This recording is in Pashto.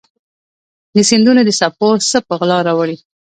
د سیندونو د څپو څه په غلا راوړي